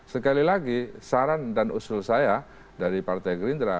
sekali lagi saran dan usul saya dari partai gerindra